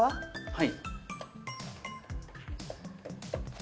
はい。